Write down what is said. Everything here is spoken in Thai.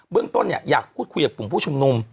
เรื่องต้นอยากพูดคุยกับกลุ่มผู้ชุมนุม